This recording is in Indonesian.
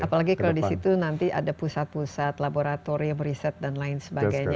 apalagi kalau di situ nanti ada pusat pusat laboratorium riset dan lain sebagainya